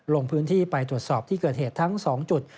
ลงพื้นที่ไปตรวจสอบที่เกิดเหตุทั้ง๒จุด